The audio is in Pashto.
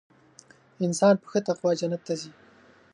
انسان په ښه تقوا جنت ته ځي .